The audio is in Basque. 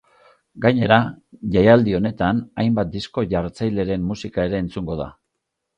Gainera, jaialdi honetan hainbat disko jartzaileren musika ere entzungo da.